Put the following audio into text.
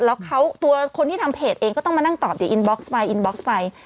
แล้วเขาตัวคนที่ทำเพจเองก็ต้องมานั่งตอบเดี๋ยวอินบล็กซ์ไปอินบ็อกซ์ไป